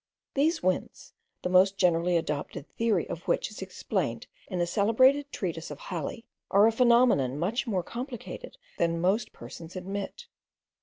These winds, the most generally adopted theory of which is explained in a celebrated treatise of Halley,* are a phenomenon much more complicated than most persons admit.